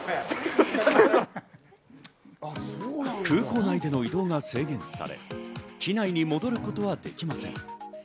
空港内での移動も制限され機内に戻ることができません。